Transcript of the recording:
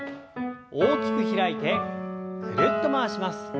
大きく開いてぐるっと回します。